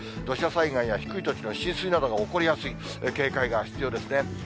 どしゃさいがいや低い土地の浸水などが起こりやすい、警戒が必要ですね。